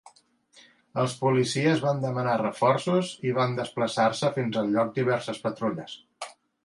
Els policies van demanar reforços i van desplaçar-se fins el lloc diverses patrulles.